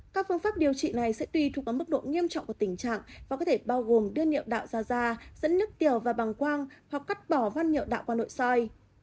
các phương pháp điều trị này sẽ tùy thuộc vào mức độ nghiêm trọng của tình trạng và có thể bao gồm đưa niệu đạo ra da dẫn đứt tiểu vào bằng quang hoặc cắt bỏ văn niệu đạo qua nội soi